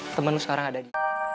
temen lu sekarang ada di